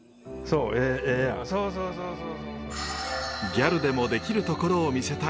ギャルでもできるところを見せたい。